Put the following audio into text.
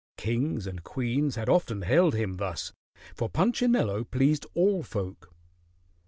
Kings and queens had often hailed him thus, for Punchinello pleased all folk.